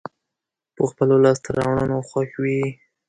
په خپلو لاسته راوړنو خوښ وي.